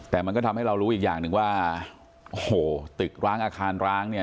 แต่มันก็ทำให้เรารู้อีกอย่างหนึ่งว่าโอ้โหตึกร้างอาคารร้างเนี่ย